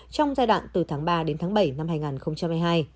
trong giai đoạn từ tháng ba đến tháng bảy năm hai nghìn hai mươi hai